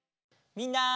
みんな！